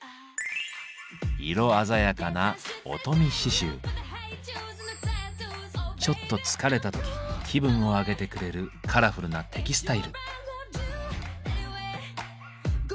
色鮮やかなちょっと疲れた時気分を上げてくれるカラフルなテキスタイル。